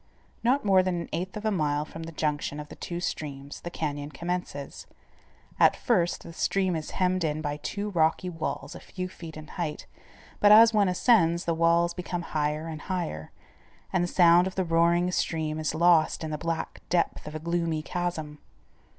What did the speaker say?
Not more than an eighth of a mile from the junction of the two streams the canyon commences. At first, the stream is hemmed in by two rocky walls a few feet in height, but as one ascends, the walls become higher and higher, and the sound of the roaring stream is lost in the black depth of a gloomy chasm.